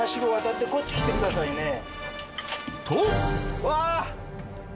うわ！